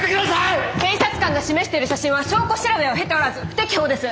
検察官が示している写真は証拠調べを経ておらず不適法です。